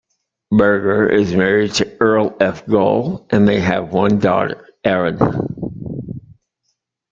Burger is married to Earl F. Gohl and they have one daughter, Erin.